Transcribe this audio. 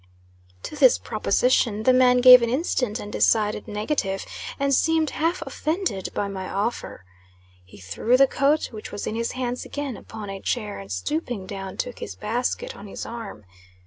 To this proposition the man gave an instant and decided negative, and seemed half offended by my offer. He threw the coat, which was in his hands again, upon a chair, and stooping down took his basket on his arm.